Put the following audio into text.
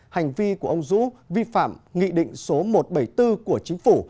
hành vi của ông dũ vi phạm nghị định số một trăm bảy mươi bốn của chính phủ